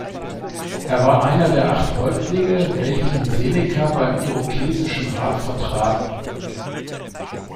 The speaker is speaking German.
Er war einer der acht Häuptlinge, welche die Seneca beim irokesischen Rat vertraten.